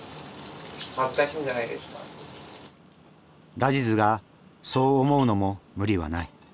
ラジズがそう思うのも無理はない。